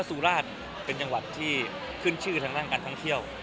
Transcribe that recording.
สุราชเป็นจังหวัดที่ขึ้นชื่อทางด้านการท่องเที่ยว